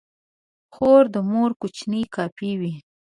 خور د مور کوچنۍ کاپي وي.